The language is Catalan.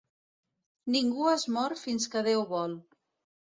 Ningú es mor fins que Déu vol.